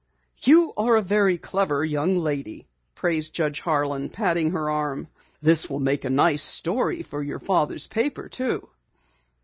"You are a very clever young lady," praised Judge Harlan, patting her arm. "This will make a nice story for your father's paper too."